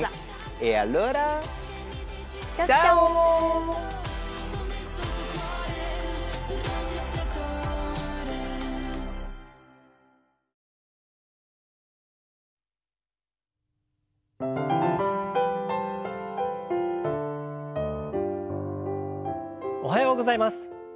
おはようございます。